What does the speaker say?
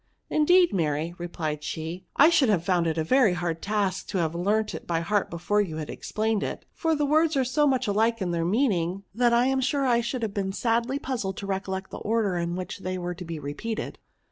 " Indeed, mamma/' replied she, " I should have found it a very hard task to have learnt it by heart before you had explained it ; for the words are so much alike in their mean ing, that I am sure I should have been sadly puzzled to recollect the order in which they were to be repeated."